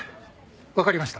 わかりました。